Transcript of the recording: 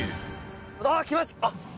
あー、来ました。